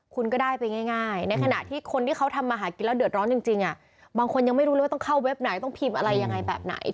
คุณก็ได้ไปง่ายในขณะที่คนที่เขาทำมาหากินแล้วเดือดร้อนจริงบางคนยังไม่รู้เลยว่าต้องเข้าเว็บไหนต้องพิมพ์อะไรยังไงแบบไหน